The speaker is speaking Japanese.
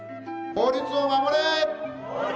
法律を守れ！